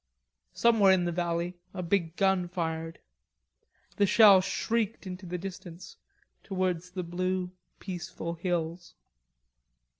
Somewhere in the valley a big gun fired. The shell shrieked into the distance, towards the blue, peaceful hills.